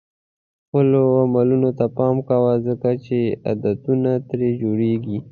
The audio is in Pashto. خپلو عملونو ته پام کوه ځکه چې عادتونه ترې جوړېږي.